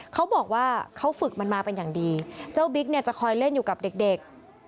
เขาบอกว่าเขาฝึกมันมาเป็นอย่างดีเจ้าบิ๊กเนี่ยจะคอยเล่นอยู่กับเด็ก